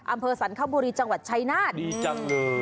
อำเภอสรรคบุรีจังหวัดชายนาฏดีจังเลย